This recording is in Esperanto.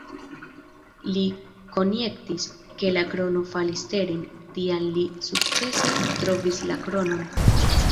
Li konjektis, ke la krono falis teren, tial li sukcese trovis la kronon.